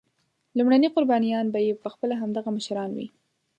لومړني قربانیان به یې پخپله همدغه مشران وي.